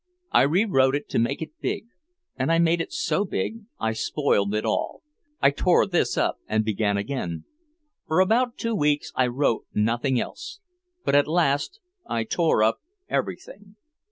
I rewrote it to make it big, and I made it so big I spoiled it all. I tore this up and began again. For about two weeks I wrote nothing else. But at last I tore up everything.